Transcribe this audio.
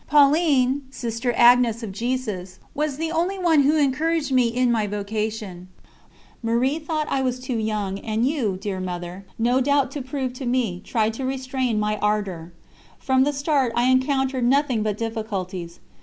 Pauline was the only one who encouraged me in my vocation; Marie thought I was too young, and you, dear Mother, no doubt to prove me, tried to restrain my ardour. From the start I encountered nothing but difficulties.